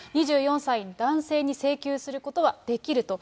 ２４歳の男性に請求することはできると。